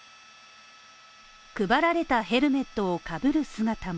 配られたヘルメットをかぶる姿も。